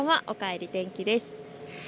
おかえり天気です。